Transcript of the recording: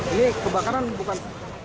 ini kebakaran bukan